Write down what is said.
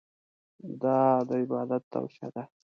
دا د عبادت توصیه ده.